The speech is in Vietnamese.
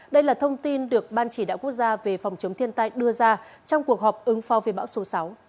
đây là thông tin được ban chỉ đạo quốc gia về phòng chống thiên tai đưa ra trong cuộc họp ứng phó về bão số sáu